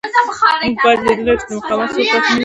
موږ باید لیدلی وای چې د مقاومت څوک پاتې نه وي